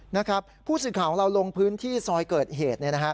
นะครับผู้สื่อข่าวของเราลงพื้นที่ซอยเกิดเหตุ